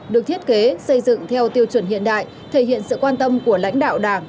được thiết kế xây dựng theo tiêu chuẩn hiện đại thể hiện sự quan tâm của lãnh đạo đảng